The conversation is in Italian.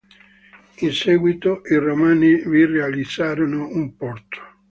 In seguito, i Romani vi realizzarono un porto.